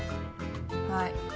はい。